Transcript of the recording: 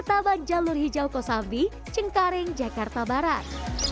taban jalur hijau kosambi cengkaring jakarta barat